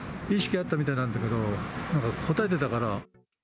意識はあったみたいなんだけど、なんか、答えてたから。